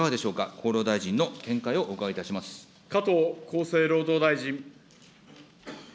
厚労大臣の見解をお伺いいたしま加藤厚生労働大臣。